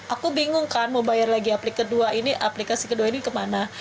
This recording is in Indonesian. aku bingung kan mau bayar lagi aplikasi kedua ini kemana